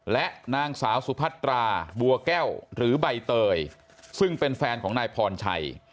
และนางสาวสุพัตราบัวแก้วหรือใบเตยซึ่งเป็นแฟนของนายพรชัย